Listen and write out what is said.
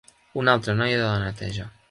Una altra noia de la neteja.